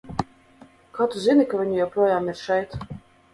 Kā tu zini, ka viņa joprojām ir šeit?